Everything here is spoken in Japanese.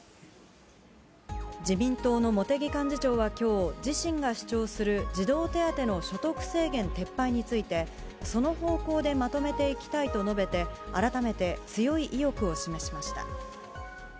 自民党の茂木幹事長はきょう、自身が主張する児童手当の所得制限撤廃について、その方向でまとめていきたいと述べて、改めて強い意欲を示しました。